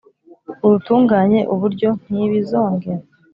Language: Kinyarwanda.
urutunganye uburyo ntibi zongera